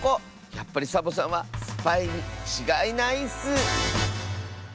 やっぱりサボさんはスパイにちがいないッス！